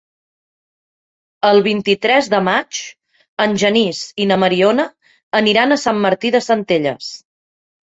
El vint-i-tres de maig en Genís i na Mariona aniran a Sant Martí de Centelles.